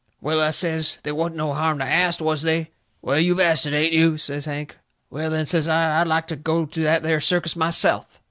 "Well," I says, "they wasn't no harm to ast, was they?" "Well, you've asted, ain't you?" says Hank. "Well, then," says I, "I'd like to go to that there circus myself."